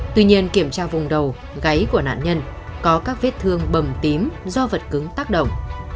tuy nhiên kiểm tra vùng đầu gáy của nạn nhân có các vết thương bầm tím do vật cứng tác động